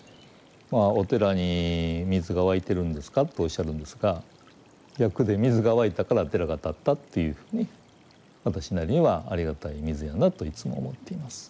まあお寺に水が湧いてるんですかとおっしゃるんですが逆で水が湧いたから寺が建ったっていうふうに私なりにはありがたい水やなといつも思っています。